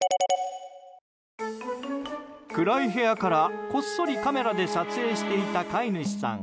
暗い部屋からこっそりカメラで撮影していた飼い主さん。